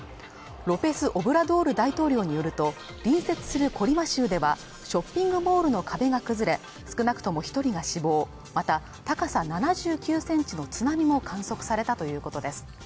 ロペスオブラドール大統領によると隣接するコリマ州ではショッピングモールの壁が崩れ少なくとも一人が死亡また高さ７９センチの津波も観測されたということです